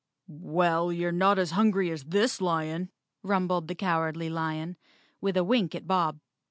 "Well, you're not as hungry as this lion," rumbled the Cowardly Lion, with a wink at Bob.